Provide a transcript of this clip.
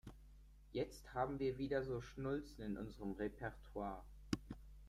Jetzt haben wir wieder so Schnulzen in unserem Repertoir.